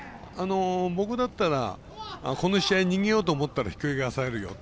僕だったら、この試合逃げようと思ったらひっくり返されるよって。